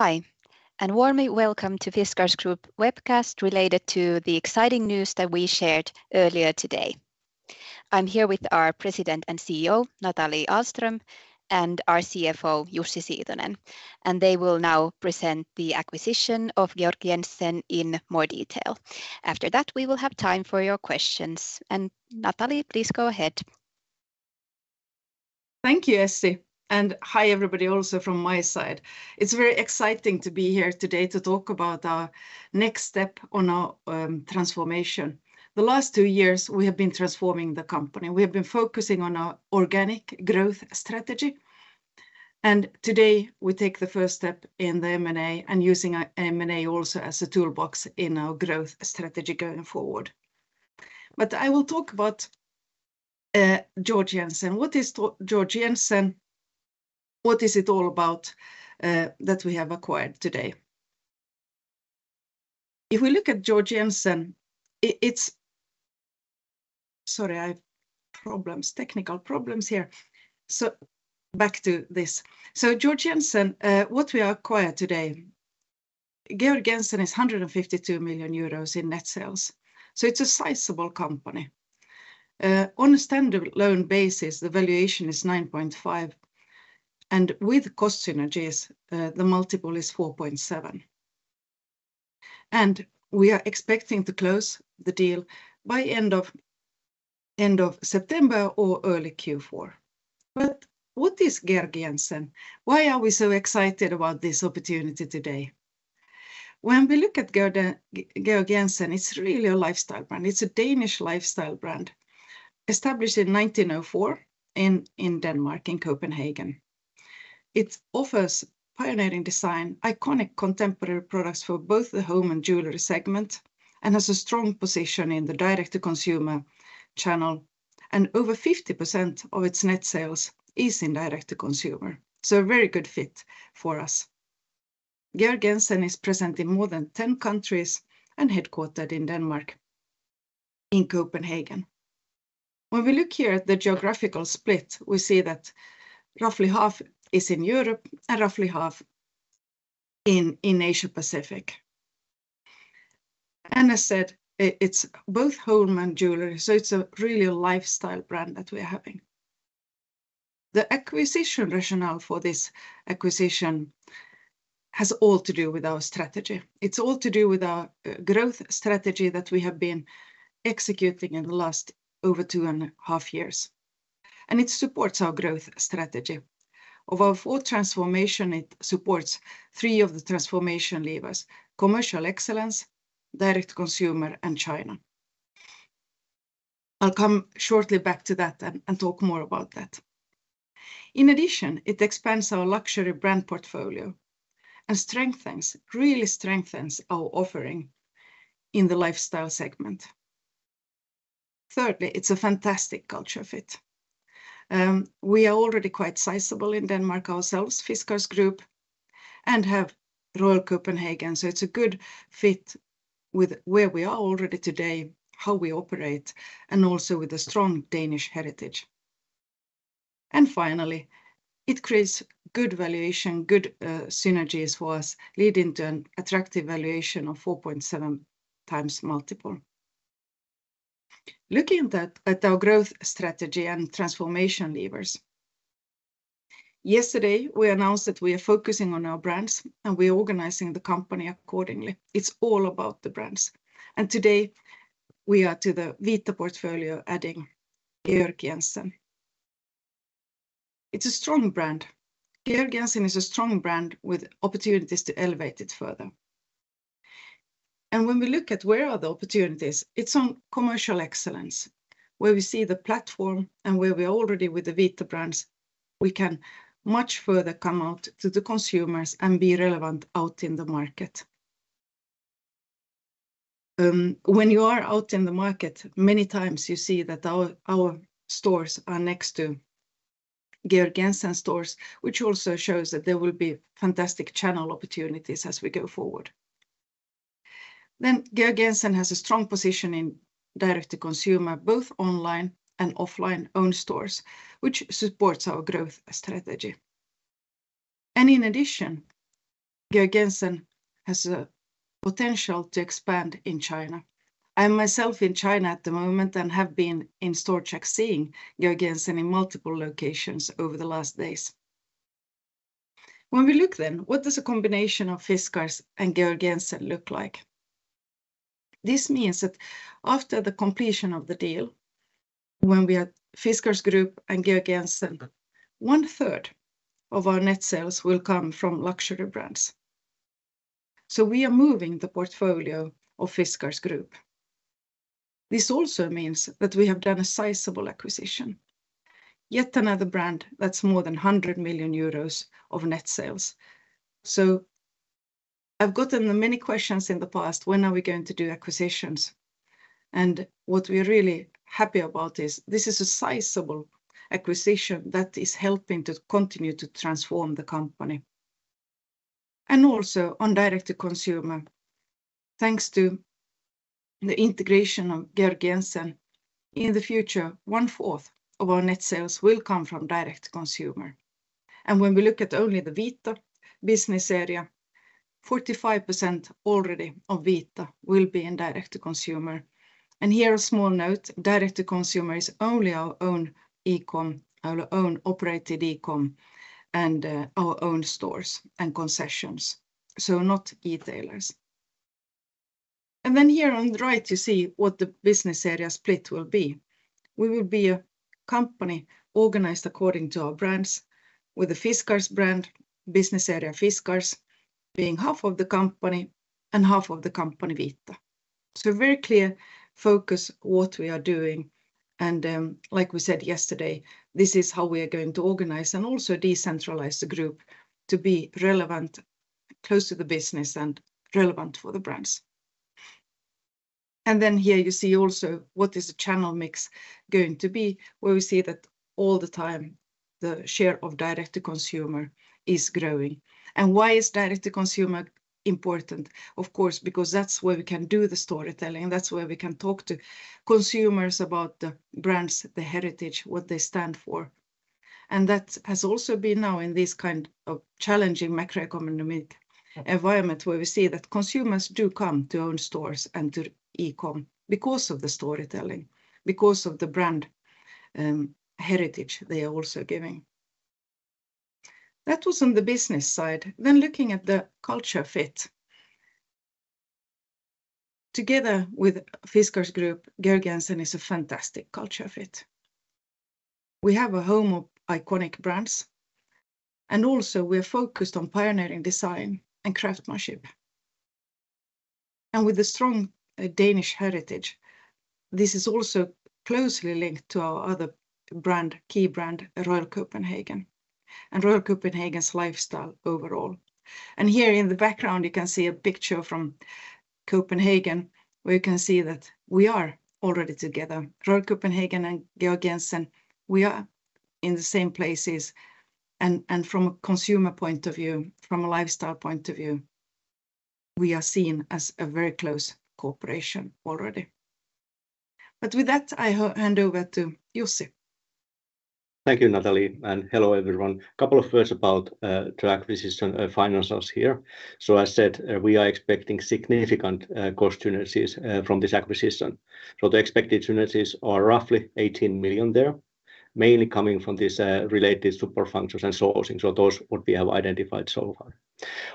Hi, and warmly welcome to Fiskars Group webcast related to the exciting news that we shared earlier today. I'm here with our President and CEO, Nathalie Ahlström, and our CFO, Jussi Siitonen, and they will now present the acquisition of Georg Jensen in more detail. After that, we will have time for your questions. Nathalie, please go ahead. Thank you, Essi, and hi, everybody, also from my side. It's very exciting to be here today to talk about our next step on our transformation. The last two years, we have been transforming the company. We have been focusing on our organic growth strategy, and today we take the first step in the M&A and using our M&A also as a toolbox in our growth strategy going forward. But I will talk about Georg Jensen. What is Georg Jensen? What is it all about that we have acquired today? If we look at Georg Jensen, it's Sorry, I have problems, technical problems here. So back to this. So Georg Jensen, what we acquired today, Georg Jensen is 152 million euros in net sales, so it's a sizable company. On a stand-alone basis, the valuation is 9.5x, and with cost synergies, the multiple is 4.7x. We are expecting to close the deal by end of September or early Q4. But what is Georg Jensen? Why are we so excited about this opportunity today? When we look at Georg Jensen, it's really a lifestyle brand. It's a Danish lifestyle brand, established in 1904 in Denmark, in Copenhagen. It offers pioneering design, iconic contemporary products for both the home and jewelry segment, and has a strong position in the direct-to-consumer channel, and over 50% of its net sales is in direct-to-consumer, so a very good fit for us. Georg Jensen is present in more than 10 countries and headquartered in Denmark, in Copenhagen. When we look here at the geographical split, we see that roughly half is in Europe and roughly half in Asia Pacific. And I said it's both home and jewelry, so it's a really a lifestyle brand that we are having. The acquisition rationale for this acquisition has all to do with our strategy. It's all to do with our growth strategy that we have been executing in the last over 2.5 years, and it supports our growth strategy. Of our four transformation, it supports three of the transformation levers: commercial excellence, direct consumer, and China. I'll come shortly back to that and talk more about that. In addition, it expands our luxury brand portfolio and strengthens, really strengthens our offering in the lifestyle segment. Thirdly, it's a fantastic culture fit. We are already quite sizable in Denmark ourselves, Fiskars Group, and have Royal Copenhagen, so it's a good fit with where we are already today, how we operate, and also with a strong Danish heritage. And finally, it creates good valuation, good, synergies for us, leading to an attractive valuation of 4.7x multiple. Looking at our growth strategy and transformation levers, yesterday, we announced that we are focusing on our brands, and we're organizing the company accordingly. It's all about the brands, and today we are to the Vita portfolio, adding Georg Jensen. It's a strong brand. Georg Jensen is a strong brand with opportunities to elevate it further. When we look at where are the opportunities, it's on commercial excellence, where we see the platform and where we're already with the Vita brands, we can much further come out to the consumers and be relevant out in the market. When you are out in the market, many times you see that our stores are next to Georg Jensen stores, which also shows that there will be fantastic channel opportunities as we go forward. Georg Jensen has a strong position in direct-to-consumer, both online and offline own stores, which supports our growth strategy. In addition, Georg Jensen has the potential to expand in China. I am myself in China at the moment and have been in store check, seeing Georg Jensen in multiple locations over the last days. When we look then, what does a combination of Fiskars and Georg Jensen look like? This means that after the completion of the deal, when we are Fiskars Group and Georg Jensen, 1/3 of our net sales will come from luxury brands. So we are moving the portfolio of Fiskars Group. This also means that we have done a sizable acquisition, yet another brand that's more than 100 million euros of net sales. So I've gotten many questions in the past, "When are we going to do acquisitions?" And what we're really happy about is this is a sizable acquisition that is helping to continue to transform the company. And also on direct-to-consumer, thanks to the integration of Georg Jensen. In the future, 1/4 of our net sales will come from direct consumer. When we look at only the Vita business area, 45% already of Vita will be in direct-to-consumer. Here, a small note, direct-to-consumer is only our own e-com, our own operated e-com, and, our own stores and concessions, so not e-tailers. Then here on the right, you see what the business area split will be. We will be a company organized according to our brands, with the Fiskars brand, business area Fiskars, being half of the company and half of the company Vita. So a very clear focus what we are doing, and, like we said yesterday, this is how we are going to organize and also decentralize the group to be relevant, close to the business and relevant for the brands. And then here you see also what is the channel mix going to be, where we see that all the time the share of direct-to-consumer is growing. And why is direct-to-consumer important? Of course, because that's where we can do the storytelling. That's where we can talk to consumers about the brands, the heritage, what they stand for. And that has also been now in this kind of challenging macroeconomic environment, where we see that consumers do come to our own stores and to e-com because of the storytelling, because of the brand, heritage they are also giving. That was on the business side. Then looking at the culture fit. Together with Fiskars Group, Georg Jensen is a fantastic culture fit. We have a home of iconic brands, and also we are focused on pioneering design and craftsmanship. And with a strong Danish heritage, this is also closely linked to our other brand, key brand, Royal Copenhagen, and Royal Copenhagen's lifestyle overall. And here in the background, you can see a picture from Copenhagen, where you can see that we are already together. Royal Copenhagen and Georg Jensen, we are in the same places, and from a consumer point of view, from a lifestyle point of view, we are seen as a very close cooperation already. But with that, I hand over to Jussi. Thank you, Nathalie, and hello, everyone. A couple of words about the acquisition financials here. As said, we are expecting significant cost synergies from this acquisition. The expected synergies are roughly 18 million there, mainly coming from this related support functions and sourcing. Those what we have identified so far.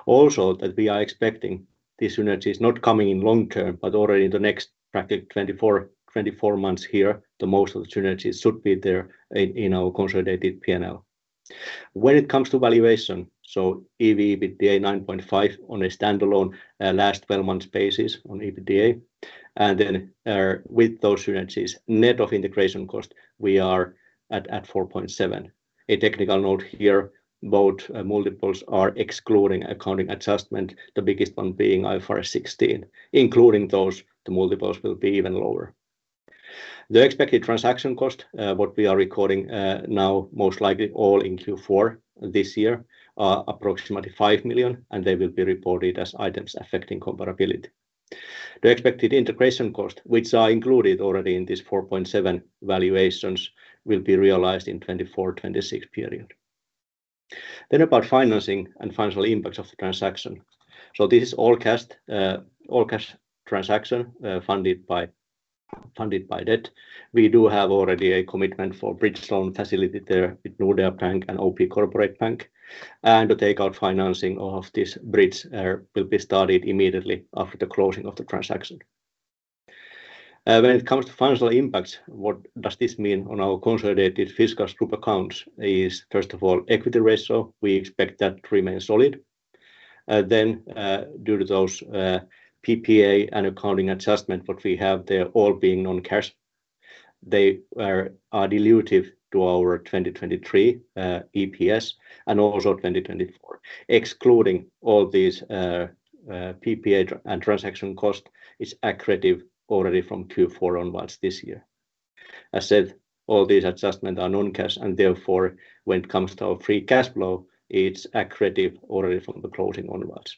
Also, that we are expecting these synergies not coming in long term, but already in the next practically 24, 24 months here, the most of the synergies should be there in our consolidated P&L. When it comes to valuation, EV/EBITDA 9.5x on a standalone last 12 months basis on EBITDA, and then with those synergies, net of integration cost, we are at 4.7x. A technical note here, both multiples are excluding accounting adjustment, the biggest one being IFRS 16. Including those, the multiples will be even lower. The expected transaction cost, what we are recording now, most likely all in Q4 this year, are approximately 5 million, and they will be reported as Items Affecting Comparability. The expected integration cost, which are included already in this 4.7x valuations, will be realized in 2024-2026 period. Then about financing and financial impacts of the transaction. So this is all cash transaction, funded by debt. We do have already a commitment for bridge loan facility there with Nordea Bank and OP Corporate Bank, and to take out financing of this bridge will be started immediately after the closing of the transaction. When it comes to financial impacts, what does this mean on our consolidated Fiskars Group accounts is, first of all, equity ratio. We expect that to remain solid. Then, due to those, PPA and accounting adjustment, what we have there all being non-cash, they are dilutive to our 2023 EPS and also 2024. Excluding all these, PPA and transaction cost, is accretive already from Q4 onwards this year. I said all these adjustments are non-cash, and therefore, when it comes to our free cash flow, it's accretive already from the closing onwards.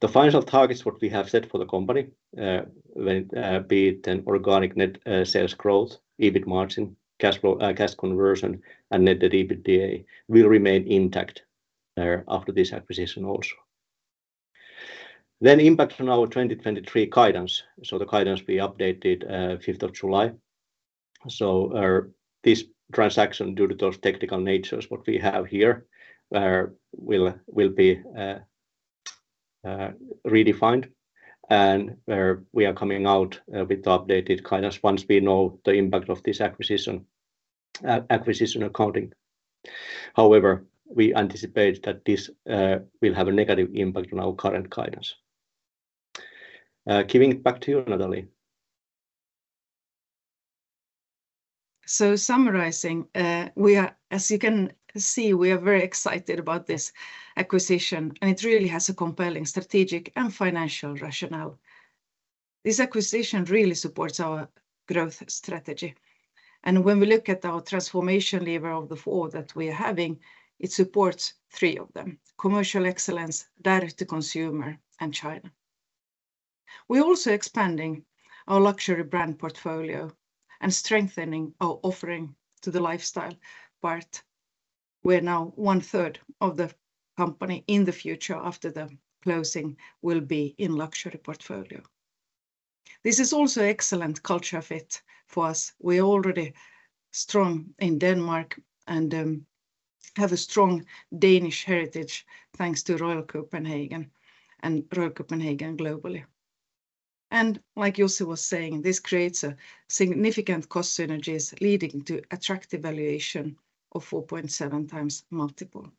The financial targets, what we have set for the company, when, be it an organic net, sales growth, EBIT margin, cash flow, cash conversion, and net debt to EBITDA, will remain intact there after this acquisition also. Then impact on our 2023 guidance. So the guidance we updated, 5th of July. So, this transaction, due to those technical natures, what we have here, will be redefined and we are coming out with the updated guidance once we know the impact of this acquisition accounting. However, we anticipate that this will have a negative impact on our current guidance. Giving it back to you, Nathalie. So summarizing, we are, as you can see, we are very excited about this acquisition, and it really has a compelling strategic and financial rationale. This acquisition really supports our growth strategy, and when we look at our transformation lever of the four that we are having, it supports three of them: commercial excellence, direct to consumer, and China. We're also expanding our luxury brand portfolio and strengthening our offering to the lifestyle part, where now 1/3 of the company in the future, after the closing, will be in luxury portfolio. This is also excellent culture fit for us. We're already strong in Denmark and have a strong Danish heritage, thanks to Royal Copenhagen and Royal Copenhagen globally. And like Jussi was saying, this creates a significant cost synergies leading to attractive valuation of 4.7x multiple.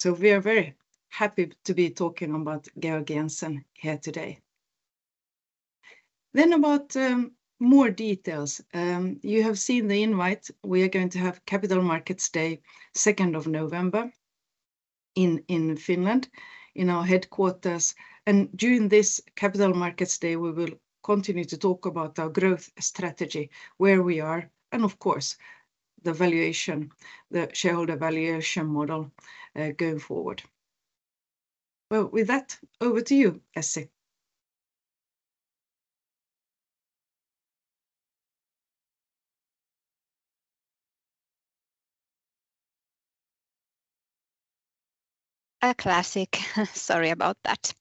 So we are very happy to be talking about Georg Jensen here today. Then about more details. You have seen the invite. We are going to have Capital Markets Day, 2nd of November in, in Finland, in our headquarters. And during this Capital Markets Day, we will continue to talk about our growth strategy, where we are, and of course, the valuation, the shareholder valuation model, going forward. Well, with that, over to you, Essi. A classic. Sorry about that.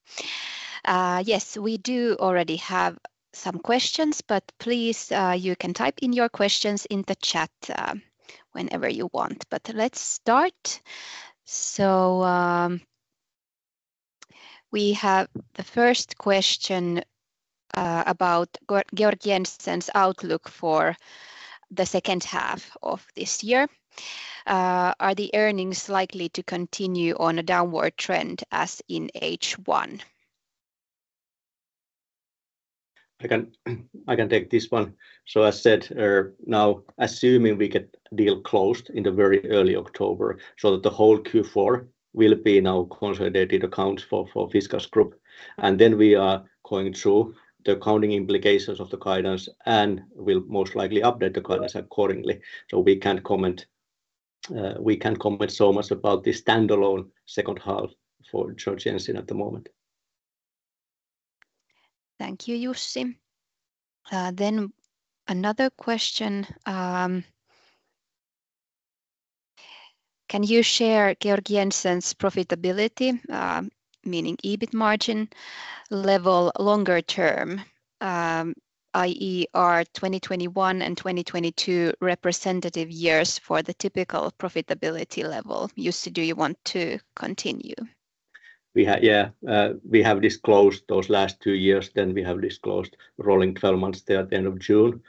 Yes, we do already have some questions, but please, you can type in your questions in the chat, whenever you want. But let's start. So, we have the first question, about Georg Jensen's outlook for the second half of this year. Are the earnings likely to continue on a downward trend as in H1? I can, I can take this one. So as said, now, assuming we get deal closed in the very early October, so that the whole Q4 will be now consolidated accounts for, for Fiskars Group, and then we are going through the accounting implications of the guidance and will most likely update the guidance accordingly. So we can't comment, we can't comment so much about the standalone second half for Georg Jensen at the moment. Thank you, Jussi. Then another question: Can you share Georg Jensen's profitability, meaning EBIT margin level, longer term, i.e., are 2021 and 2022 representative years for the typical profitability level? Jussi, do you want to continue? We have, yeah. We have disclosed those last two years, then we have disclosed rolling 12 months there at the end of June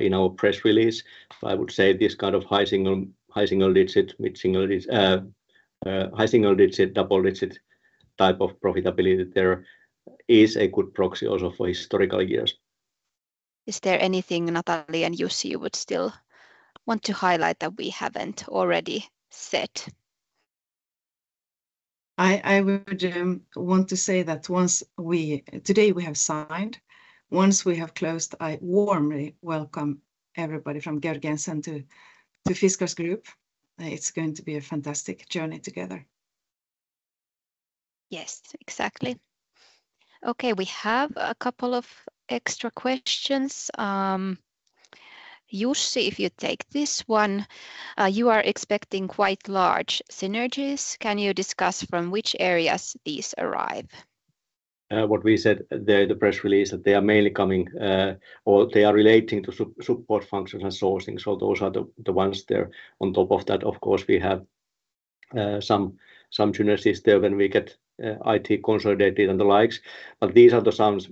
in our press release. I would say this kind of high single-digit, double-digit type of profitability there is a good proxy also for historical years. Is there anything, Nathalie and Jussi, you would still want to highlight that we haven't already said? I would want to say that today, we have signed. Once we have closed, I warmly welcome everybody from Georg Jensen to Fiskars Group. It's going to be a fantastic journey together. Yes, exactly. Okay, we have a couple of extra questions. Jussi, if you take this one, you are expecting quite large synergies. Can you discuss from which areas these arrive? What we said there, the press release, that they are mainly coming, or they are relating to support function and sourcing, so those are the ones there. On top of that, of course, we have some synergies there when we get IT consolidated and the like, but these are the sums,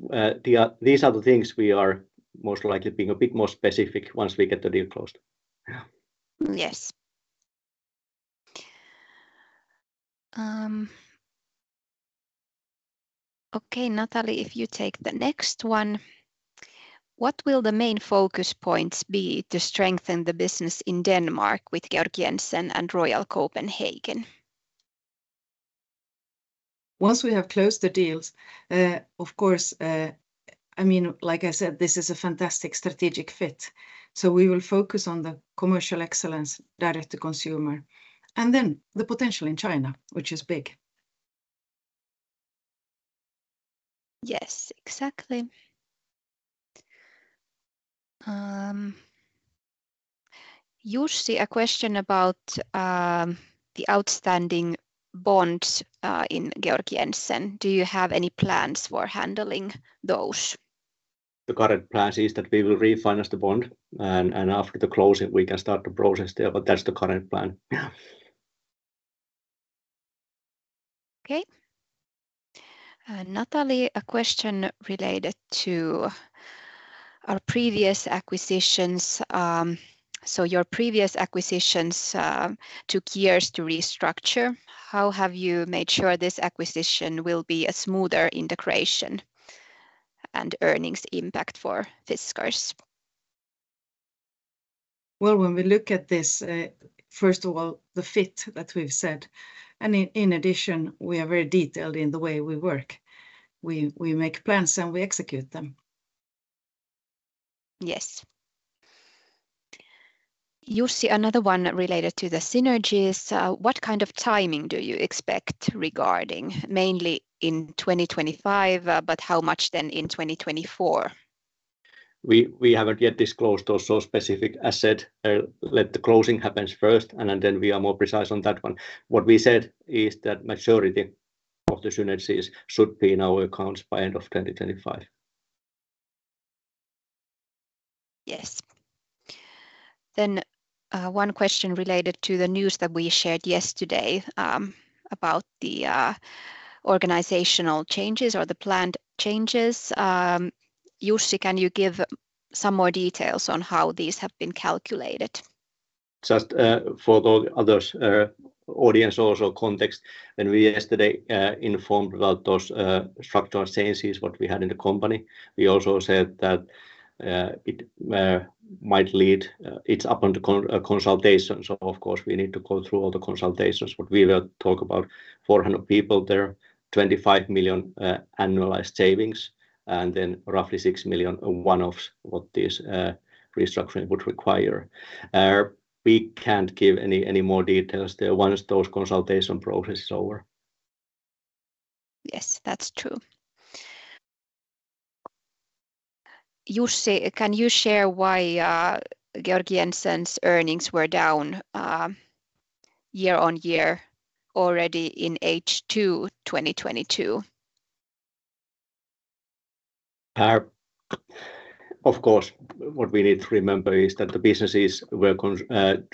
these are the things we are most likely being a bit more specific once we get the deal closed. Yes. Okay, Nathalie, if you take the next one: What will the main focus points be to strengthen the business in Denmark with Georg Jensen and Royal Copenhagen? Once we have closed the deals, of course, I mean, like I said, this is a fantastic strategic fit, so we will focus on the commercial excellence direct-to-consumer, and then the potential in China, which is big. Yes, exactly. Jussi, a question about the outstanding bonds in Georg Jensen: Do you have any plans for handling those? The current plan is that we will refinance the bond, and after the closing, we can start the process there, but that's the current plan. Yeah. Okay. Nathalie, a question related to our previous acquisitions. Your previous acquisitions took years to restructure. How have you made sure this acquisition will be a smoother integration and earnings impact for Fiskars? Well, when we look at this, first of all, the fit that we've said, and in addition, we are very detailed in the way we work. We make plans, and we execute them. Yes. Jussi, another one related to the synergies. What kind of timing do you expect regarding mainly in 2025, but how much then in 2024? We haven't yet disclosed those so specific asset. Let the closing happens first, and then we are more precise on that one. What we said is that majority of the synergies should be in our accounts by end of 2025. Yes. Then, one question related to the news that we shared yesterday, about the organizational changes or the planned changes. Jussi, can you give some more details on how these have been calculated? Just, for the others, audience also context, when we yesterday informed about those structural changes what we had in the company, we also said that it might lead. It's upon the consultations. So of course, we need to go through all the consultations. What we will talk about, 400 people there, 25 million annualized savings, and then roughly 6 million one-offs, what this restructuring would require. We can't give any, any more details there once those consultation process is over. Yes, that's true. Jussi, can you share why Georg Jensen's earnings were down year-on-year already in H2 2022? Of course, what we need to remember is that the businesses where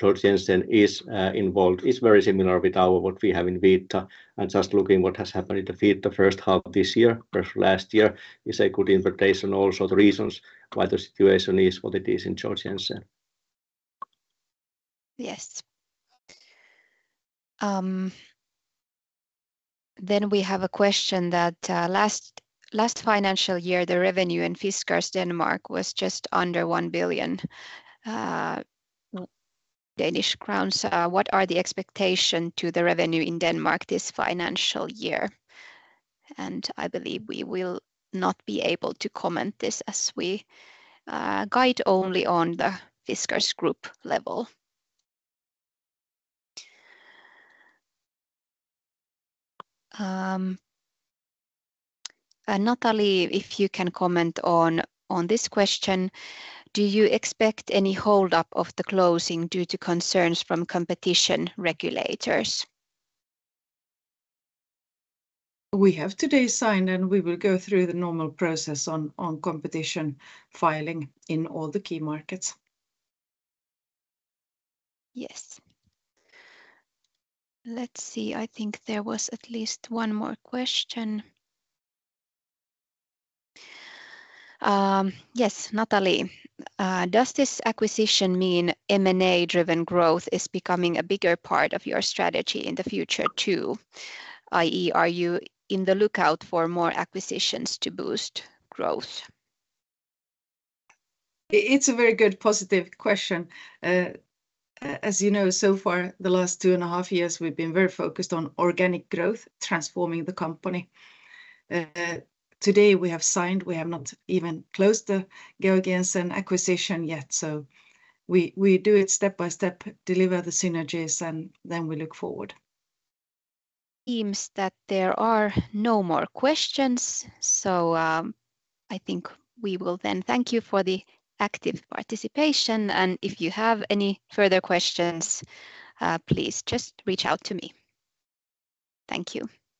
Georg Jensen is involved is very similar with our, what we have in Vita. And just looking what has happened in the Vita the first half this year, first last year, is a good indication. Also, the reasons why the situation is what it is in Georg Jensen. Yes. Then we have a question that, last financial year, the revenue in Fiskars Denmark was just under 1 billion. What are the expectation to the revenue in Denmark this financial year? And I believe we will not be able to comment this, as we guide only on the Fiskars Group level. And Nathalie, if you can comment on this question: Do you expect any hold-up of the closing due to concerns from competition regulators? We have today signed, and we will go through the normal process on competition filing in all the key markets. Yes. Let's see. I think there was at least one more question. Yes, Nathalie, does this acquisition mean M&A-driven growth is becoming a bigger part of your strategy in the future, too? i.e., are you in the lookout for more acquisitions to boost growth? It's a very good, positive question. As you know, so far, the last two and a half years, we've been very focused on organic growth, transforming the company. Today, we have signed, we have not even closed the Georg Jensen acquisition yet, so we do it step by step, deliver the synergies, and then we look forward. Seems that there are no more questions, so, I think we will then thank you for the active participation, and if you have any further questions, please just reach out to me. Thank you.